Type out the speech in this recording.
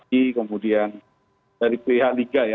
satu dari psst kemudian dari pihak liga ya